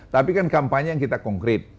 tapi kan kampanye yang kita konkret